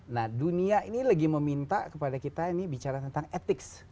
nah dunia ini lagi meminta kepada kita ini bicara tentang etik